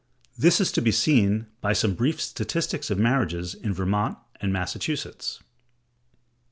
This is to be seen by some brief statistics of marriages in Vermont and Massachusetts.